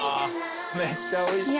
めっちゃおいしそう。